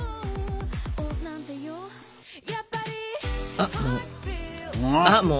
ああもう。